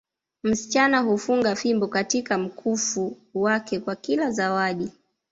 Msichana hufunga fimbo katika mkufu wake kwa kila zawadi